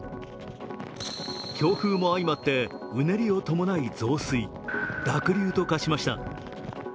強風も相まってうねりを伴い増水、濁流と化しました。